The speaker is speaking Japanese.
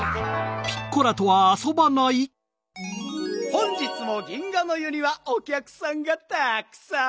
本日も銀河ノ湯にはおきゃくさんがたっくさん。